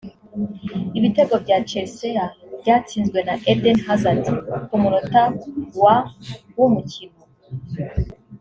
Ibitego bya Chelsea byatsinzwe na Eden Hazard ku munota wa ' w'umukino